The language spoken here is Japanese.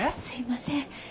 すいません。